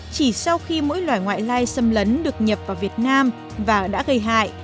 chỉ sau khi mỗi loài ngoại lai xâm lấn được nhập vào việt nam và đã gây hại